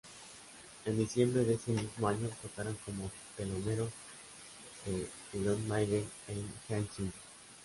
En diciembre de ese mismo año tocaron como teloneros de Iron Maiden en Helsinki.